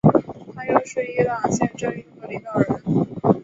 他又是伊朗宪政运动的领导人。